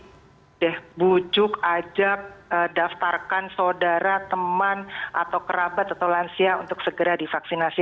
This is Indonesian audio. jadi bujuk ajak daftarkan saudara teman atau kerabat atau lansia untuk segera divaksinasi